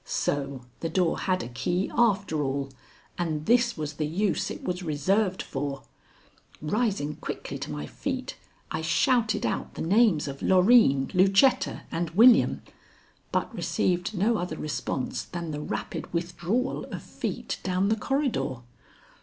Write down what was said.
So the door had a key after all, and this was the use it was reserved for. Rising quickly to my feet, I shouted out the names of Loreen, Lucetta, and William, but received no other response than the rapid withdrawal of feet down the corridor.